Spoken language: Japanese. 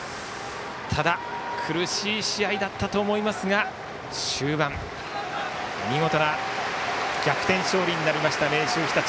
ただ、苦しい試合だったと思いますが終盤、見事な逆転勝利になりました明秀日立。